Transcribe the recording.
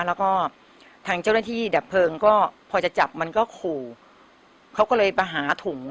แล้วก็ทางเจ้าหน้าที่ดับเพลิงก็พอจะจับมันก็ขู่เขาก็เลยมาหาถุง